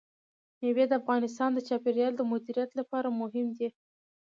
مېوې د افغانستان د چاپیریال د مدیریت لپاره مهم دي.